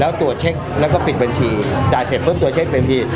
แล้วตัวเช็คแล้วก็ปิดบัญชีจ่ายเสร็จเพิ่มตัวเช็คเป็นที